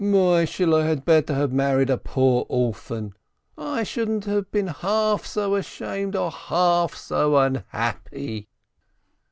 104 SPEKTOR Moishehle had better have married a poor orphan, I shouldn't have heen half so ashamed or half so un happy."